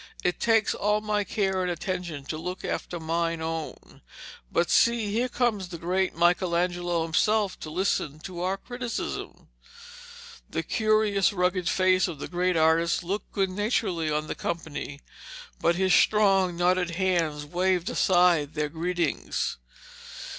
It takes all my care and attention to look after mine own. But see, here comes the great Michelangelo himself to listen to our criticism.' The curious, rugged face of the great artist looked good naturedly on the company, but his strong knotted hands waved aside their greetings.